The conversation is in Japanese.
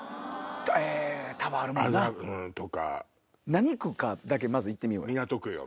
何区かだけまずいってみようや。